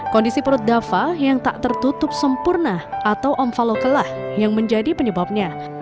kondisi perut dafa yang tak tertutup sempurna atau omfalokelah yang menjadi penyebabnya